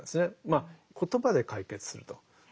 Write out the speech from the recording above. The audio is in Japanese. まあ言葉で解決すると。